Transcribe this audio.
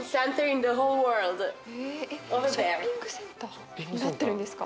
ショッピングセンターになってるんですか？